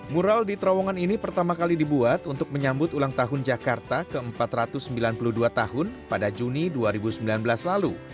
mural di terowongan ini pertama kali dibuat untuk menyambut ulang tahun jakarta ke empat ratus sembilan puluh dua tahun pada juni dua ribu sembilan belas lalu